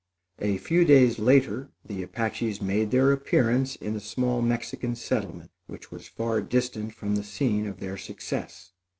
A few days later, the Apaches made their appearance in a small Mexican settlement which was far distant from the scene of their success.